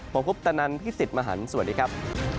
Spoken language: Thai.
ผมคุปตะนันพี่สิทธิ์มหันฯสวัสดีครับ